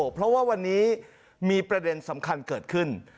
เพราะว่าวันนี้มีประเด็นสำคัญเกิดขึ้น